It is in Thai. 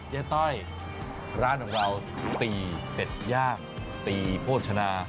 ต้อยร้านของเราตีเป็ดย่างตีโภชนา